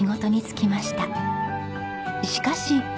しかし。